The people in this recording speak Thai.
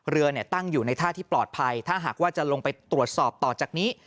เรือตั้งอยู่ในท่าที่ปลอดภัยถ้าหากว่าจะลงไปตรวจสอบต่อจากนี้